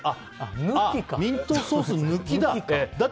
ミントソース抜きだ。